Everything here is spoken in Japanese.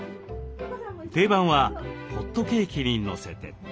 定番はホットケーキにのせて。